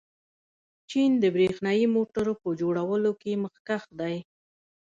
چین د برښنايي موټرو په جوړولو کې مخکښ دی.